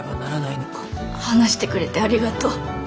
話してくれてありがとう。